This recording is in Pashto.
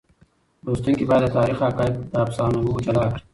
لوستونکي باید د تاریخ حقایق له افسانو جلا کړي.